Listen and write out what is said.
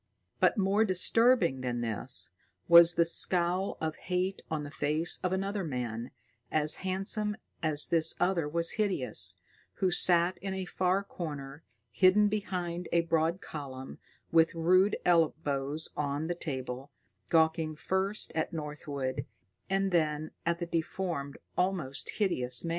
But, more disturbing than this, was the scowl of hate on the face of another man, as handsome as this other was hideous, who sat in a far corner hidden behind a broad column, with rude elbows on the table, gawking first at Northwood and then at the deformed, almost hideous man.